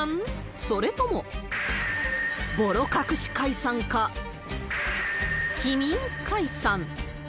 それともぼろ隠し解散か、棄民解散。